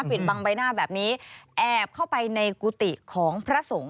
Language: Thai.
ปิดบังใบหน้าแบบนี้แอบเข้าไปในกุฏิของพระสงฆ์